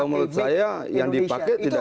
menurut saya yang dipakai tidak